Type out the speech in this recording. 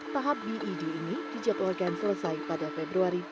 tahap bed ini dijadwalkan selesai pada februari dua ribu tujuh belas